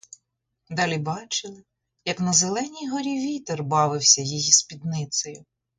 Далі бачили, як на зеленій горі вітер бавився її спідницею.